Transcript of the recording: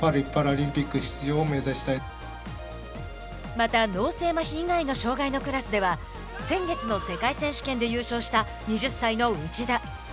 また、脳性まひ以外の障害のクラスでは先月の世界選手権で優勝した２０歳の内田。